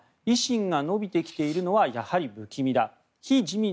ある自民党関係者は維新が伸びてきているのはやはり不気味だ。